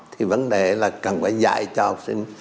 thì vấn đề là cần phải dạy cho học sinh